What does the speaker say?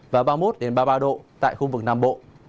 và ba mươi một ba mươi ba độ tại khu vực nam bộ